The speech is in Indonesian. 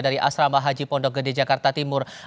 dari asrama haji pondok gede jakarta timur